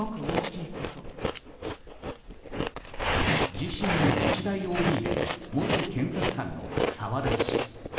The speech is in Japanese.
自身も日大ＯＢで元検察官の澤田氏。